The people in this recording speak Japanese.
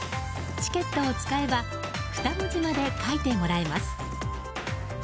チケットを使えば２文字まで書いてもらえます。